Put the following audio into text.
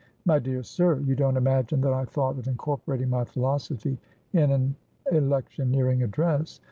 "My dear sir, you don't imagine that I thought of incorporating my philosophy in an electioneering address?